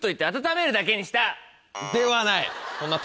ではない！